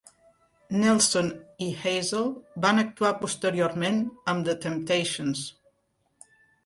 Nelson i Hazel van actuar posteriorment amb The Temptations.